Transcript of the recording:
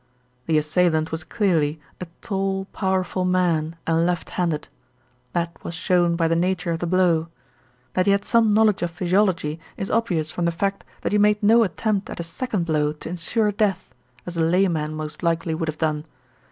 "The assailant was clearly a tall, powerful man and left handed. That was shown by the nature of the blow. That he had some knowledge of physiology is obvious from the fact that he made no attempt at a second blow to insure death, as a layman most likely would have done.